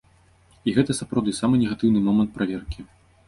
І гэта, сапраўды, самы негатыўны момант праверкі.